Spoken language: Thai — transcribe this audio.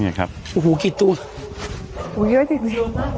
นี่ครับโอ้โหกี่ตัวเยอะจริงอ่ะ